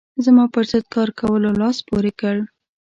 زما پر ضد کار کولو لاس پورې کړ.